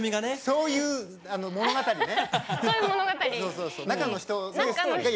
そういう物語ね！